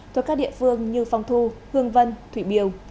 thuộc các địa phương như phong thu hương vân thủy biều